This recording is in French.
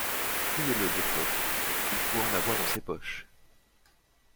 Fouillez-le, Durtot: il pourrait en avoir dans ses poches.